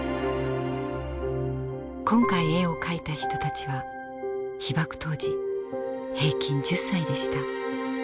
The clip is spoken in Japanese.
今回絵を描いた人たちは被爆当時平均１０歳でした。